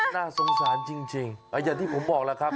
น่าสงสารจริงอย่างที่ผมบอกแล้วครับ